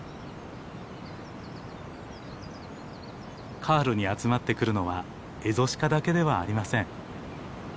カールに集まってくるのはエゾシカだけではありません。